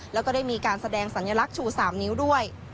แล้วก็ได้มีการแสดงสัญลักษณ์ชู๓นิ้วด้วย